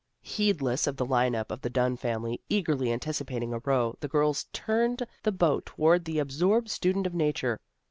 Heedless of the line up of the Dunn family, eagerly anticipating a row, the girls turned the boat toward the absorbed student of nature.